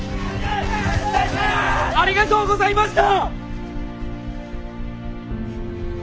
まことにありがとうございました！